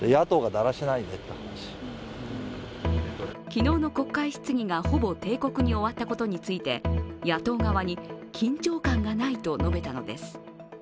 昨日の国会質疑がほぼ定刻に終わったことについて野党側に、緊張感がないと述べたのです。